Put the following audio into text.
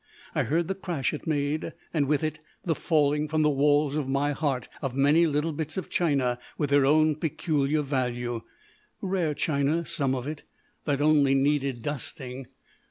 I heard the crash it made, and, with it, the falling from the walls of my heart of many little bits of china with their own peculiar value rare china, some of it, that only needed dusting.